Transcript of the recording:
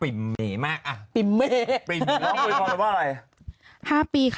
ทำงานแบงค์